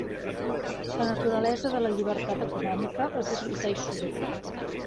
La naturalesa de la llibertat econòmica es discuteix sovint.